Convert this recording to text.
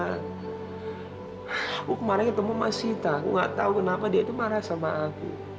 aku kemarin ketemu mas sita gak tahu kenapa dia itu marah sama aku